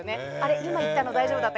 今言ったの大丈夫かなって。